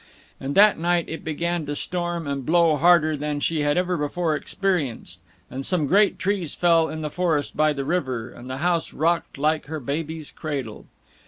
And that night it began to storm and blow harder than she had ever before experienced, and some great trees fell in the forest by the river, and the house rocked like her baby's cradle.